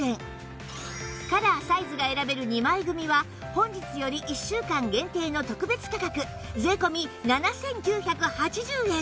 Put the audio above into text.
カラーサイズが選べる２枚組は本日より１週間限定の特別価格税込７９８０円